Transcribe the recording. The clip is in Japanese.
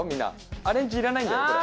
アレンジいらないんだよ、これ。